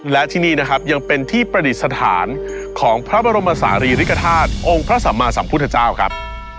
และที่นี่นะครับยังเป็นที่ประดิษฐานของพระบรมศาลีริกฐาตุองค์พระสัมมาสัมพุทธเจ้าครับ